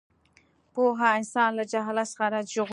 پوهه انسان له جهالت څخه ژغوري.